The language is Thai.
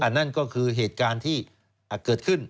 นั่นก็คือเหตุการณ์ที่เกิดขึ้น